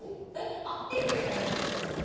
これから持ってまいります。